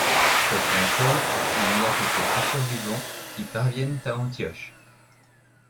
Cette fois encore il n'y a que quelques survivants qui parviennent à Antioche.